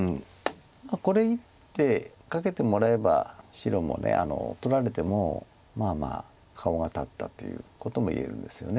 これ１手かけてもらえば白も取られてもまあまあ顔が立ったということも言えるんですよね。